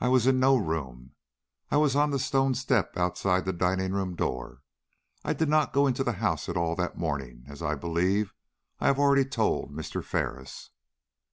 "I was in no room; I was on the stone step outside of the dining room door. I did not go into the house at all that morning, as I believe I have already told Mr. Ferris."